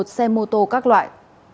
một mươi một xe mô tô các loại